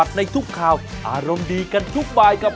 สวัสดีครับ